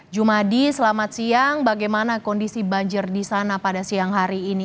jumadi selamat siang bagaimana kondisi banjir di sana pada siang hari ini